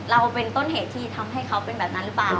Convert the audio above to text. เราเป็นต้นเหตุที่ทำให้เขาเป็นแบบนั้นหรือเปล่า